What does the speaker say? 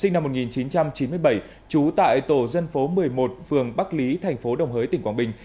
sinh năm một nghìn chín trăm chín mươi bảy trú tại tổ dân phố một mươi một phường bắc lý thành phố đồng hới tỉnh quảng bình